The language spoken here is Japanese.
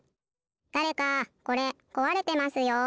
だれかこれこわれてますよ。